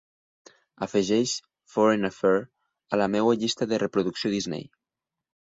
Afegeix "Foreign Affair" a la meva llista de reproducció Disney.